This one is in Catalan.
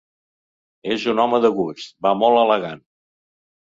És un home de gust: va molt elegant.